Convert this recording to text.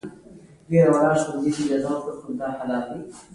ايمان ور سره ګډېږي.